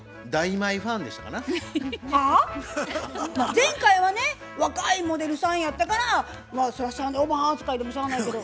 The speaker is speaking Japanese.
前回はね若いモデルさんやったからまあそれはしゃあないおばはん扱いでもしゃあないけど。